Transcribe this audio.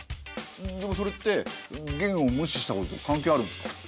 でもそれって元を無視したことと関係あるんですか？